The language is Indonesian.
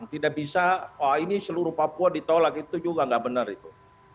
tidak bisa ini seluruh papua ditolak itu juga nggak benar itu